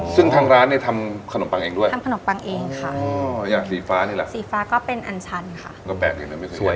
ซึ่งทางร้านทำขนบปังเองด้วย